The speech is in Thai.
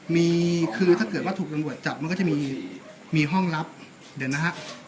มีคือถ้าเกิดว่าถูกตำรวจจับมันก็จะมีมีห้องลับเดี๋ยวนะฮะ